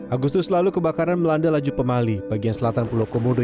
agustus lalu kebakaran melanda laju pemali bagian selatan pulau komodo